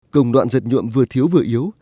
công đoạn giật nhuộm vừa thiếu vừa yếu